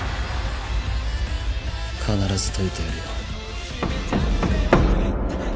必ず解いてやるよ。